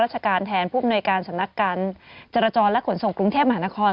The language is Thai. ใหม่แกะกล่องคุณพี่คะ